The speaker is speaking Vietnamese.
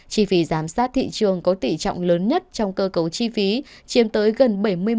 chi phí giám sát thị trường có tỷ trọng lớn nhất trong cơ cấu chi phí chiếm tới gần bảy mươi một